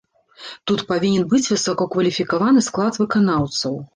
Тут павінен быць высокакваліфікаваны склад выканаўцаў.